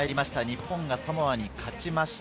日本がサモアに勝ちました。